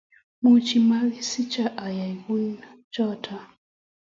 Much makisingcho ayai kouchotok